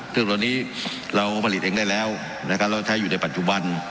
ซึ่งตอนนี้เราผลิตเองได้แล้วนะครับเราใช้อยู่ในปัจจุบัน